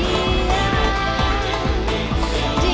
cinta satukan hati